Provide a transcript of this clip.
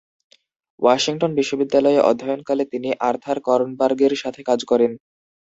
Washington বিশ্ববিদ্যালয়ে অধ্যয়নকালে তিনি আর্থার কর্নবার্গের সাথে কাজ করেন।